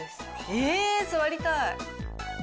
ええ座りたい！